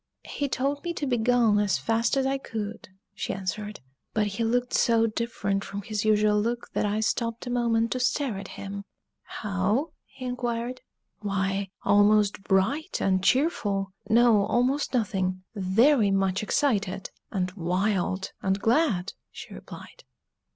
"He told me to begone as fast as I could," she answered. "But he looked so different from his usual look that I stopped a moment to stare at him." "How?" he inquired. "Why, almost bright and cheerful no, almost nothing very much excited, and wild, and glad!" she replied.